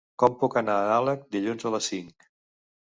Com puc anar a Nalec dilluns a les cinc?